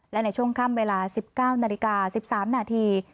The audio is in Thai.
และในช่วงค่ำเวลา๑๙นาฬิกา๑๓นาที